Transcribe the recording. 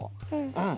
うん。